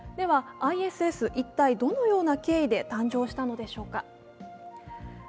ではＩＳＳ、一体どのような経緯で誕生したのでしょうか。